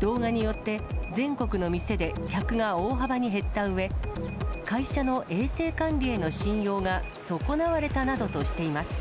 動画によって、全国の店で客が大幅に減ったうえ、会社の衛生管理への信用が損なわれたなどとしています。